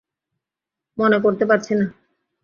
মনে করতে পারছি না।